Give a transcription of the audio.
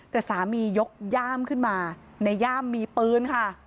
แต่สามียกย่ามขึ้นมาในย่ามมีปืนค่ะ